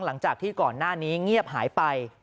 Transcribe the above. หลังจากที่ก่อนหน้านี้เงียบหายไป